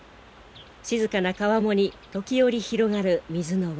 静かな川面に時折広がる水の輪。